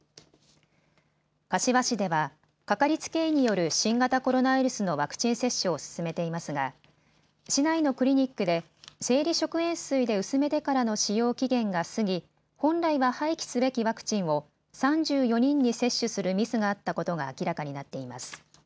柏市では掛かりつけ医による新型コロナウイルスのワクチン接種を進めていますが、市内のクリニックで生理食塩水で薄めてからの使用期限が過ぎ本来は廃棄すべきワクチンを３４人に接種するミスがあったことが明らかになっています。